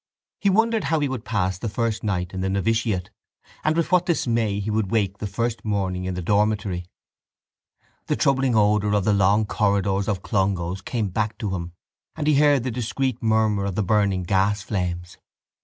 He wondered how he would pass the first night in the novitiate and with what dismay he would wake the first morning in the dormitory. The troubling odour of the long corridors of Clongowes came back to him and he heard the discreet murmur of the burning gasflames.